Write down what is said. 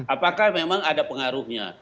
apakah memang ada pengaruhnya